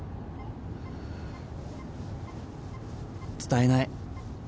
伝えない。